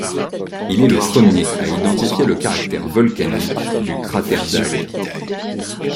Il est le premier à identifier le caractère volcanique du cratère d'Agde.